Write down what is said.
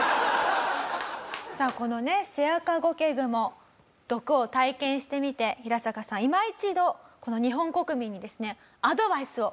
さあこのねセアカゴケグモ毒を体験してみてヒラサカさんいま一度日本国民にですねアドバイスをお願い致します。